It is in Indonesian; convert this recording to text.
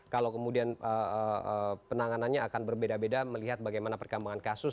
kalau kemudian penanganannya akan berbeda beda melihat bagaimana perkembangan kasus